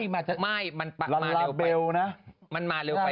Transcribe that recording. มันมาเร็วไปเร็วไป